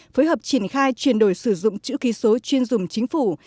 phối hợp triển khai chuyển đổi sử dụng chữ ký số chuyên dùng chính phủ